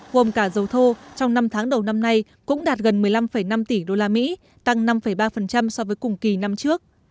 gồm cả dầu thô trong năm tháng đầu năm nay cũng đạt gần một mươi năm năm tỷ usd tăng năm ba so với cùng kỳ năm trước